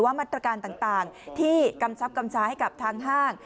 มาตรการต่างที่กำชับกำชาให้กับทางห้าง